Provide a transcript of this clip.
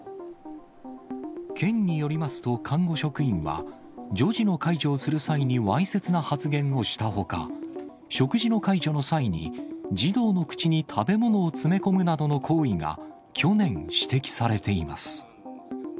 県によりますと、看護職員は、女児の介助をする際にわいせつな発言をしたほか、食事の介助の際に、児童の口に食べ物を詰め込むなどの行為が去年、指摘されています。